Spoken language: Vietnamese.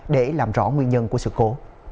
để làm rõ nguyên nhân của sự cố